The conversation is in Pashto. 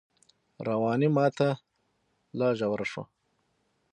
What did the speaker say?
رواني ماته لا ژوره شوه